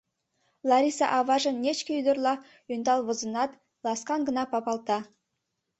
Лариса аважым нечке ӱдырла ӧндал возынат, ласкан гына папалта.